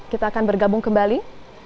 kita akan bergabung kembali